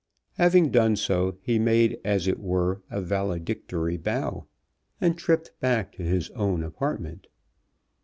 Having done so, he made as it were a valedictory bow, and tripped back to his own apartment.